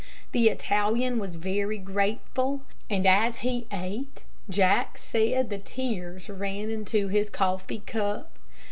The Italian was very grateful, and as he ate, Jack said the tears ran into his coffee cup.